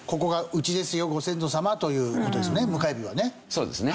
そうですね。